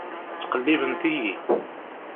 Ttqellibent-iyi.